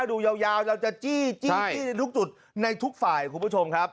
ดูยาวเราจะจี้จี้ในทุกจุดในทุกฝ่ายคุณผู้ชมครับ